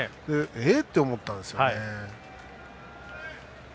え？って思ったんですよね。